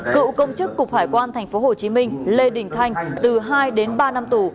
cựu công chức cục hải quan tp hcm lê đình thanh từ hai đến ba năm tù